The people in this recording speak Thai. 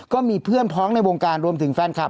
ก็มีเพื่อนพ้องในวงการรวมถึงแฟนคลับ